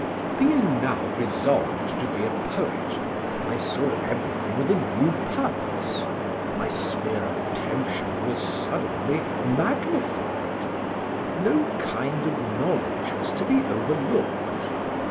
"Being now resolved to be a poet, I saw everything with a new purpose; my sphere of attention was suddenly magnified; no kind of knowledge was to be overlooked.